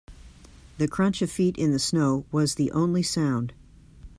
The crunch of feet in the snow was the only sound.